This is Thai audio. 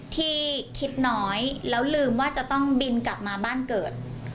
ที่คิดน้อยแล้วลืมว่าจะต้องบินกลับมาบ้านเกิด